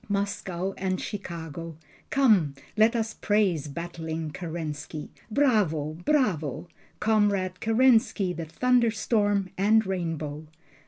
Moscow and Chicago! Come let us praise battling Kerensky, Bravo! Bravo! Comrade Kerensky the thunderstorm and rainbow!